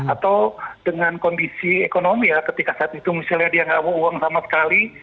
atau dengan kondisi ekonomi ya ketika saat itu misalnya dia nggak bawa uang sama sekali